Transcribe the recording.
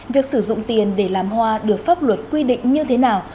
việc sử dụng tiền để làm hoa được pháp luật quy định như thế nào